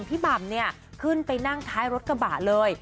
หม่ำเนี่ยขึ้นไปนั่งท้ายรถกระบะเลย